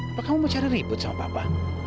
apakah kamu mau cari ribut sama papa